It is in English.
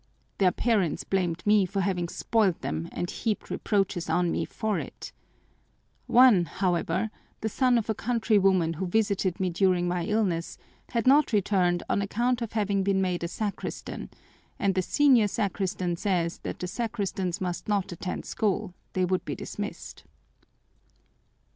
Their parents blamed me for having spoiled them and heaped reproaches on me for it. One, however, the son of a country woman who visited me during my illness, had not returned on account of having been made a sacristan, and the senior sacristan says that the sacristans must not attend school: they would be dismissed."